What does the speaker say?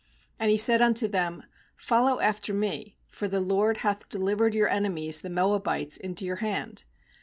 28And he said unto them: ' Follow af ter me; for the LORD hath delivered your en emies the Moabites into your hand.'